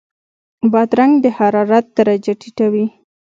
بادرنګ د حرارت درجه ټیټوي.